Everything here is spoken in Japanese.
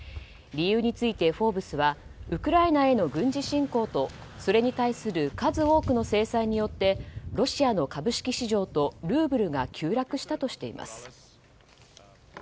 理由について「フォーブス」はウクライナへの軍事侵攻とそれに対する数多くの制裁によってロシアの株式市場とルーブルが急落したとしています。